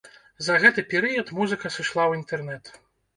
За гэты перыяд музыка сышла ў інтэрнэт.